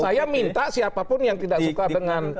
saya minta siapapun yang tidak suka dengan